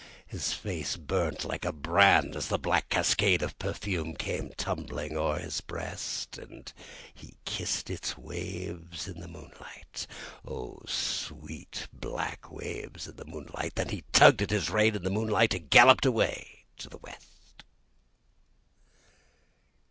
His face burnt like a brand As the sweet black waves of perfume came tumbling o'er his breast, Then he kissed its waves in the moonlight (O sweet black waves in the moonlight!), And he tugged at his reins in the moonlight, and galloped away to the west.